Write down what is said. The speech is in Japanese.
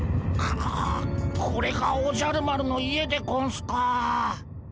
これがおじゃる丸の家でゴンスか。